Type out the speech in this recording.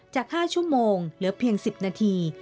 จาก๕ชั่วโมงเหลือเพียง๑๐นาที